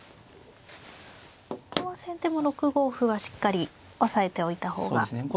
ここは先手も６五歩はしっかり押さえておいた方がいいですか。